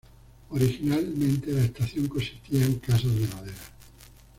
Originalmente la estación consistía en casas de madera.